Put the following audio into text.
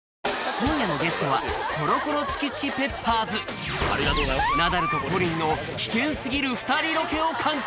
今夜のゲストはコロコロチキチキペッパーズナダルとＰＯＲＩＮの危険すぎる２人ロケを敢行！